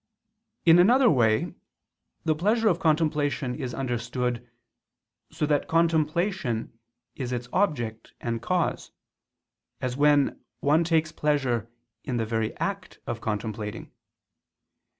In another way, the pleasure of contemplation is understood, so that contemplation is its object and cause; as when one takes pleasure in the very act of contemplating.